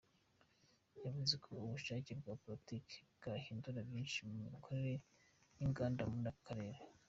Yavuze ko ubushake bwa politiki bwahindura byinshi mu mikorere y’inganda muri aka karere.